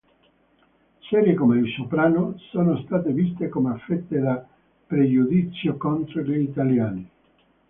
Serie come "I Soprano" sono state viste come affette da pregiudizio contro gli italiani.